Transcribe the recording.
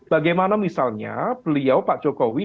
bagaimana misalnya beliau pak jokowi